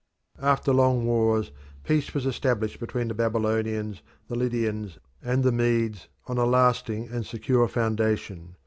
After long wars, peace was established between the Babylonians, the Lydians, and the Medes on a lasting and secure foundation.